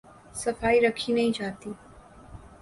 صفائی رکھی نہیں جاتی۔